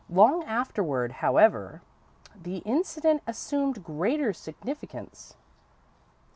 Long afterward, however, the incident assumed greater significance.